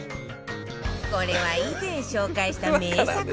これは以前紹介した名作テクニック